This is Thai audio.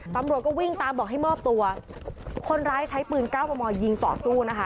ตำรวจก็วิ่งตามบอกให้มอบตัวคนร้ายใช้ปืนเก้าประมอยิงต่อสู้นะคะ